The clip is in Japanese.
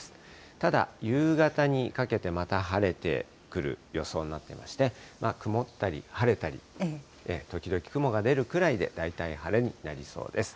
ただ、夕方にかけてまた晴れてくる予想になってまして、曇ったり晴れたり、時々雲が出るくらいで、大体晴れになりそうです。